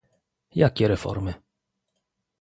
Jakie reformy?